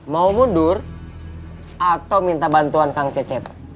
mau mundur atau minta bantuan kang cecep